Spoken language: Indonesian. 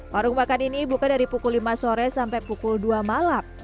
warung makan ini buka dari pukul lima sore sampai pukul dua malam